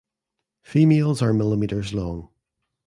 Females are millimeters long.